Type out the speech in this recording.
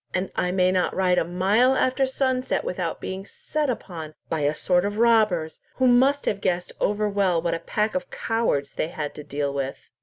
And I may not ride a mile after sunset without being set upon by a sort of robbers, who must have guessed over well what a pack of cowards they had to deal with."